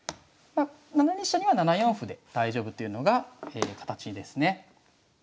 まあ７二飛車には７四歩で大丈夫というのが形ですね。